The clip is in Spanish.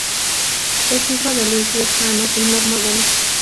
Es hijo de Luis Lescano, y Norma Gómez.